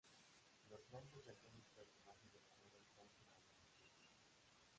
Los nombres de algunos personajes de Guerrero son sumamente sutiles.